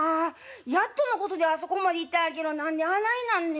やっとのことであそこまで行ったんやけど何であないなんねん。